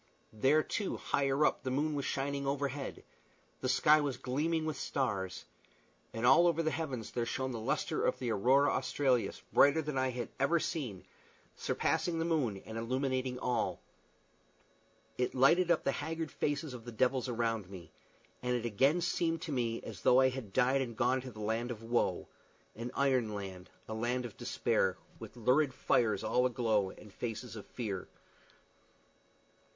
There, too, higher up, the moon was shining overhead, the sky was gleaming with stars; and all over the heavens there shone the lustre of the aurora australis, brighter than any I had ever seen surpassing the moon and illuminating all. It lighted up the haggard faces of the devils around me, and it again seemed to me as though I had died and gone to the land of woe an iron land, a land of despair, with lurid fires all aglow and faces of fear.